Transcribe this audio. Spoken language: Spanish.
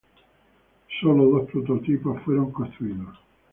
Sólo dos prototipos fueron construidos.